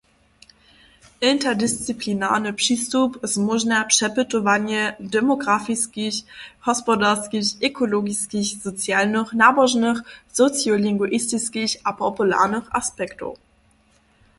Interdisciplinarny přistup zmóžnja přepytowanje demografiskich, hospodarskich, ekologiskich, socialnych, nabožnych, sociolinguistiskich a popularnych aspektow.